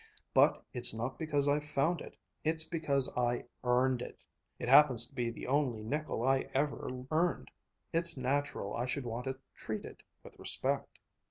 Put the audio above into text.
But it's not because I found it. It's because I earned it. It happens to be the only nickel I ever earned. It's natural I should want it treated with respect."